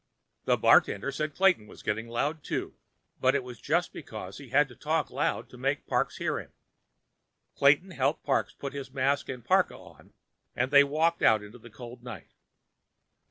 The bartender said Clayton was getting loud, too, but it was just because he had to talk loud to make Parks hear him. Clayton helped Parks put his mask and parka on and they walked out into the cold night.